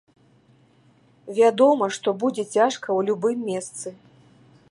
Вядома, што будзе цяжка ў любым месцы.